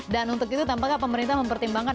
dan untuk itu tampaknya pemerintah mempertimbangkan